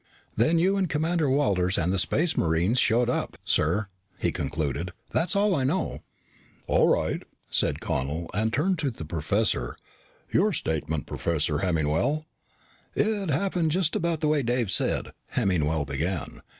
"Then you and Commander Walters and the Space Marines showed up, sir," he concluded. "That's all I know." "All right," said Connel and turned to the professor. "Your statement, Professor Hemmingwell." "It happened just about the way Dave said," Hemmingwell began.